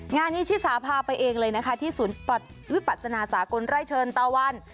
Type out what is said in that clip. งานนี้ชิสาพาไปเองเลยนะคะที่ศูนย์วิปัสนาสากลไร่เชิญตะวัน